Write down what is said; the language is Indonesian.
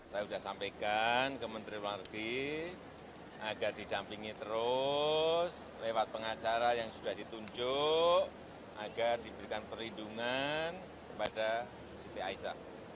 saya sudah sampaikan ke menteri luar negeri agar didampingi terus lewat pengacara yang sudah ditunjuk agar diberikan perlindungan kepada siti aisyah